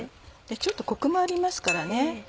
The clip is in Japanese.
ちょっとコクもありますからね。